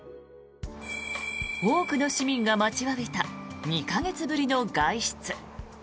多くの市民が待ちわびた２か月ぶりの外出。